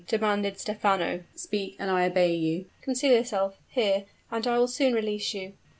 demanded Stephano. "Speak, and I obey you." "Conceal yourself here and I will soon release you."